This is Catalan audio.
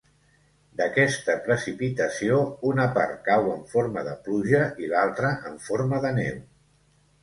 D'aquesta precipitació, una part cau en forma de pluja i l'altra en forma de neu.